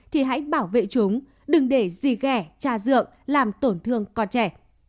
thì hãy bảo vệ chúng đừng để dì ghẻ cha dượng làm tổn thương con trẻ